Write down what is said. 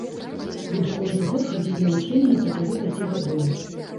Буду кожны год хадзіць на вучэнні на працягу пяці гадоў.